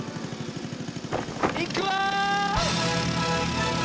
いくわ！